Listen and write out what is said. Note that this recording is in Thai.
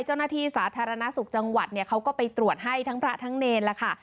เจ้าหน้าที่สาธารณสุขจังหวัดเนี่ยเขาก็ไปตรวจให้ทั้งพระทั้งเนรแล้วค่ะ